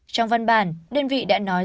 trong văn bản đơn vị đã nói